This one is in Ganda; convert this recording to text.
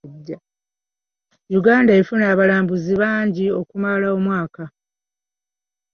Uganda efuna abalambuzi bangi okumala omwaka.